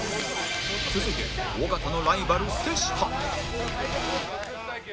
続いて尾形のライバル瀬下